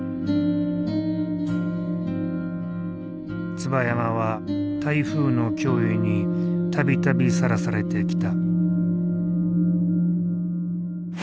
椿山は台風の脅威に度々さらされてきた。